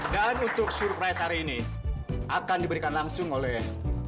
dan untuk surprise hari ini akan diberikan langsung oleh